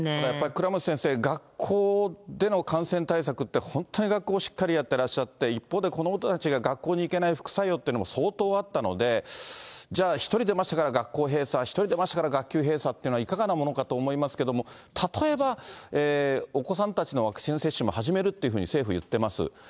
やっぱり倉持先生、学校での感染対策って、本当に学校、しっかりやってらっしゃって、一方で子どもたちが学校に行けない副作用というのも相当あったので、じゃあ、１人出ましたから学校閉鎖、１人出ましたから学級閉鎖っていうのはいかがなものかと思いますけれども、例えばお子さんたちのワクチン接種も始めるって政府言ってます。